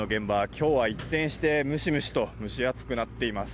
今日は一転してムシムシと蒸し暑くなっています。